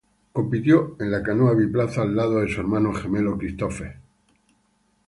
Compitió en la canoa biplaza al lado de su hermano gemelo Christophe.